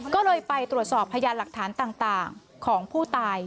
ก็เลยไปตรวจสอบพยานหลักฐานต่างของผู้ตาย